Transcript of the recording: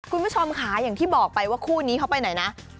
คุณผู้ชมค่ะอย่างที่บอกไปว่าคู่นี้เขาไปไหนนะ